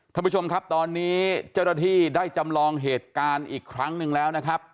ท่านผู้ชมครับตอนนี้เจ้าหน้าที่ได้จำลองเหตุการณ์อีกครั้งหนึ่งแล้วนะครับ